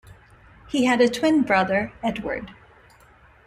He had a twin brother, Edward.